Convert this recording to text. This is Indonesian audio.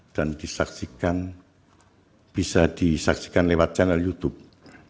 dan bisa disaksikan lewat channel youtube